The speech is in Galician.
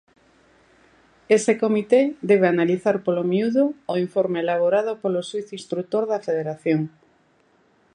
Ese comité debe analizar polo miúdo o informe elaborado polo xuíz instrutor da Federación.